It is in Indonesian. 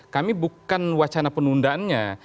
kami bukan wacana penundaannya